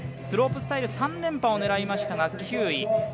スロープスタイル３連覇を狙いましたが、９位。